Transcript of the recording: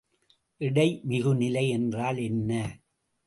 எடைமிகுநிலை என்றால் என்ன?